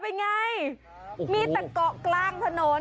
เป็นไงมีแต่เกาะกลางถนน